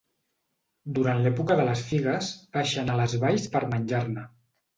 Durant l'època de les figues baixen a les valls per menjar-ne.